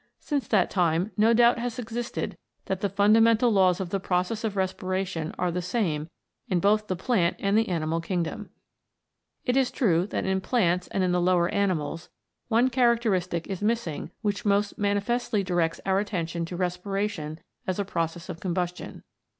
Since that time no doubt has existed that the fundamental laws of the process of respiration are the same in both the plant and the animal kingdom. It is true that in plants and in the lower animals one 116 CATALYSIS AND THE ENZYMES characteristic is missing which most manifestly directs our attention to respiration as a process of combustion.